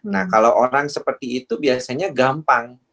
nah kalau orang seperti itu biasanya gampang